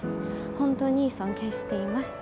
本当に尊敬しています。